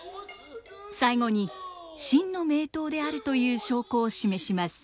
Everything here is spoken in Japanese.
最後に真の名刀であるという証拠を示します。